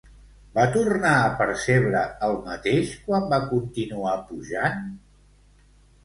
Va tornar a percebre el mateix quan va continuar pujant?